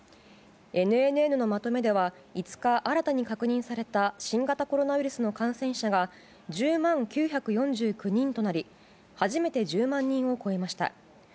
ＮＮＮのまとめでは５日、新たに確認された新型コロナウイルスの感染者が１０万９４９人となり初めて１０万人を超えました。